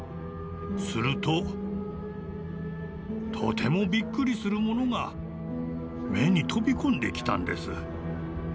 するととてもびっくりするものが目に飛び込んできたんです。